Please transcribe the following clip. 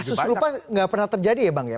kasus serupa nggak pernah terjadi ya bang ya